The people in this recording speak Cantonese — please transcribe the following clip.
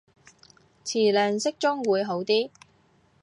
詞量適中會好啲